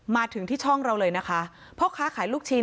มาถึงที่ช่องเราเลยนะคะพ่อค้าขายลูกชิ้น